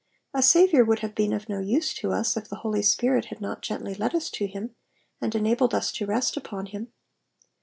A Saviour would have been of no use to us if the Holy Spirit had not gently led us to him, and euabldd us to rest upon him.